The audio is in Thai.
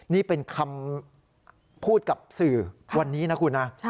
นี่เป็นคำพูดกับสื่อวันนี้นะคุณนะ